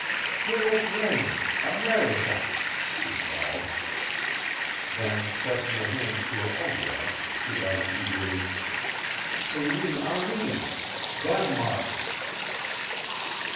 "Philip Raine Amerika!" she cried. Then, pressing her hands to her own breast, she added eagerly: "Celie Armin Danmark!"